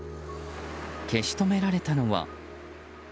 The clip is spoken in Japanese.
消し止められたのは。